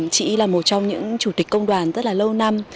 chị là một trong những chủ tịch công đoàn rất là lâu năm